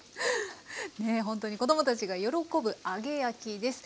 ねえほんとに子供たちが喜ぶ揚げ焼きです。